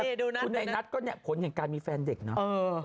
ไอ้บ้าแต่คุณไอนัทก็เนี่ยผลอย่างการมีแฟนเด็กเนาะ